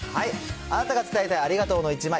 あなたが伝えたいありがとうの１枚。